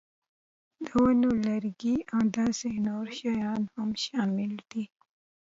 د ونو لرګي او داسې نور شیان هم شامل دي.